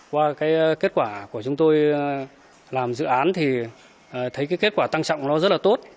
qua cái kết quả của chúng tôi làm dự án thì thấy cái kết quả tăng trọng nó rất là tốt